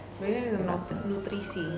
ini adalah nutrisi